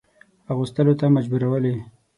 اغوستلو ته مجبورولې.